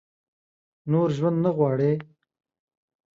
نور ژوند نه غواړي ؟